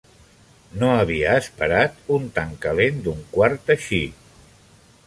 No havia esperat un tan calent d'un quart així.